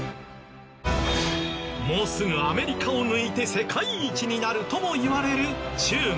もうすぐアメリカを抜いて世界一になるともいわれる中国。